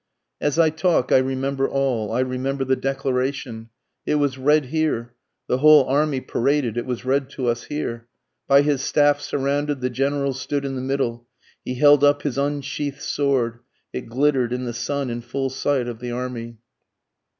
As I talk I remember all, I remember the Declaration, It was read here, the whole army paraded, it was read to us here, By his staff surrounded the General stood in the middle, he held up his unsheath'd sword, It glitter'd in the sun in full sight of the army.